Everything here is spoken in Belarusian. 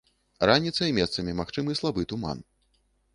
Раніцай месцамі магчымы слабы туман.